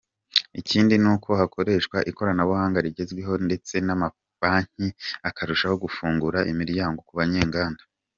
Ikindi ni uko hakoreshwa ikoranabuhanga rigezweho ndetse n’amabanki akarushaho gufungura imiryango ku banyenganda.